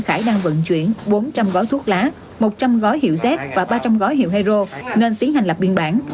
khải đang vận chuyển bốn trăm linh gói thuốc lá một trăm linh gói hiệu z và ba trăm linh gói hiệu hero nên tiến hành lập biên bản